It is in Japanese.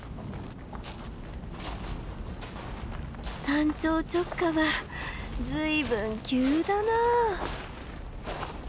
山頂直下は随分急だな。